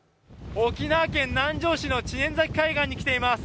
沖縄県南城市の海岸に来ています。